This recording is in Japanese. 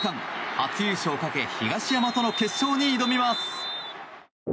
初優勝をかけ東山との決勝に挑みます。